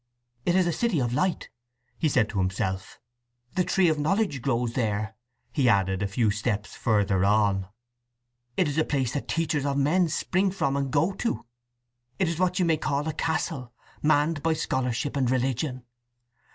"It is a city of light," he said to himself. "The tree of knowledge grows there," he added a few steps further on. "It is a place that teachers of men spring from and go to." "It is what you may call a castle, manned by scholarship and religion."